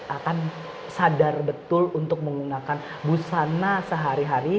akan sadar betul untuk menggunakan busana sehari hari